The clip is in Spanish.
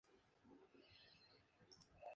Finalmente fue inaugurado por el Gral.